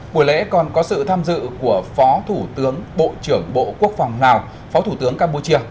buổi lễ còn có sự tham dự của phó thủ tướng bộ trưởng bộ quốc phòng lào phó thủ tướng campuchia